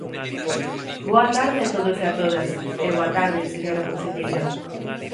Boa tarde a todos e a todas, e boa tarde, señora conselleira.